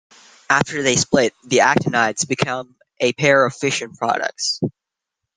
After they split, the actinides become a pair of fission products.